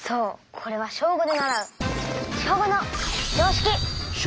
これは小５で習う「小５の常識！」